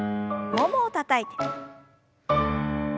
ももをたたいて。